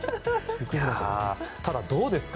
ただ、どうですか。